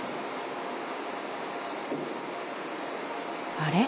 あれ？